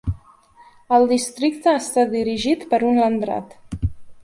El districte està dirigit per un "Landrat".